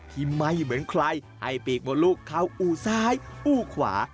ที่ไม่เหมือนใครให้ปีกหมดลูกเข้าอู่ซ้ายอู้ขวา